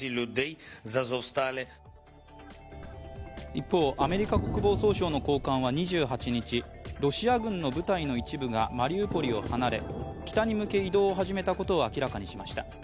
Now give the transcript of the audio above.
一方、アメリカ国防総省の高官は２８日、ロシア軍の部隊の一部がマリウポリを離れ、北に向け移動を始めたことを明らかにしました。